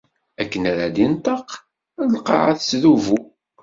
Akken ara d-inṭeq, lqaɛa tettdubu.